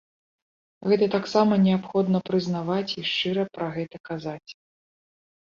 Гэта таксама неабходна прызнаваць і шчыра пра гэта казаць.